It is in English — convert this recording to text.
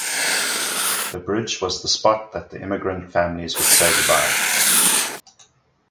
The bridge was the spot that the emigrants families would say goodbye.